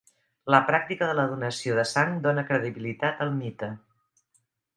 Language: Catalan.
La pràctica de la donació de sang dóna credibilitat al mite.